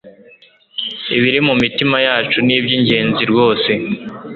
ibiri mumitima yacu nibyingenzi rwose